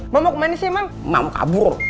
mau mau kemana sih emang mau kabur